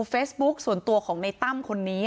เฟซบุ๊คส่วนตัวของในตั้มคนนี้